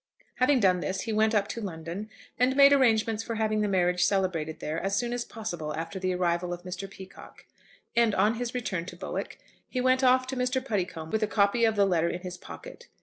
Having done this, he went up to London, and made arrangements for having the marriage celebrated there as soon as possible after the arrival of Mr. Peacocke. And on his return to Bowick, he went off to Mr. Puddicombe with a copy of his letter in his pocket.